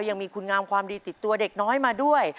ยังมีคุณงามความดีติดตัวเด็กน้อยมาด้วย